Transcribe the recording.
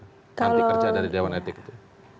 nanti kerja dari dewan etik itu